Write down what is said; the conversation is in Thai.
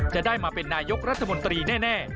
จะได้มาเป็นนายกรัฐมนตรีแน่